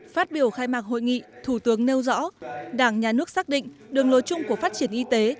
phát biểu khai mạc hội nghị thủ tướng nêu rõ đảng nhà nước xác định đường lối chung của phát triển y tế